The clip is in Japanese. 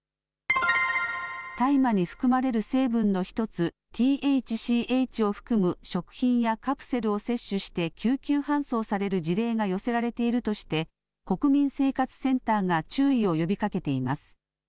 大麻に含まれる成分の１つ、ＴＨＣＨを含む食品やカプセルを摂取して救急搬送される事例が寄せられているとして、国民生活センターが注意を呼びかけています。